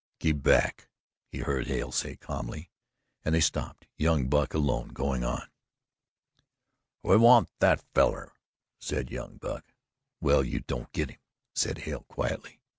"Keep back!" he heard Hale say calmly, and they stopped young Buck alone going on. "We want that feller," said young Buck. "Well, you don't get him," said Hale quietly.